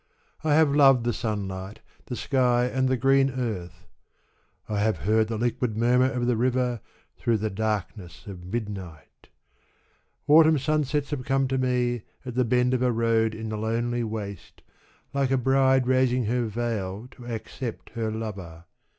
I have loved the sunlight, the sky and the green earth; I have heard the liquid murmur of the river through the darkness of midnight; Autumn sunsets have come to me at the bend of a road in the lonely waste, like a bride raising her veil to accept her lover.